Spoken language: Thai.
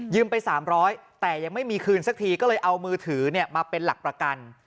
ไป๓๐๐แต่ยังไม่มีคืนสักทีก็เลยเอามือถือมาเป็นหลักประกัน